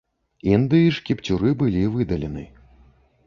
Індыі ж кіпцюры былі выдалены.